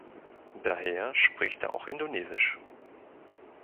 Daher spricht er auch Indonesisch.